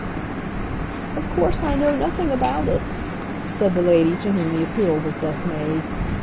"Of course I know nothing about it," said the lady to whom the appeal was thus made.